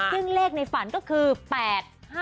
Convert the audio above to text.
ซึ่งเลขในฝันก็คือ๘๕